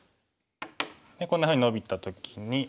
でこんなふうにノビた時に。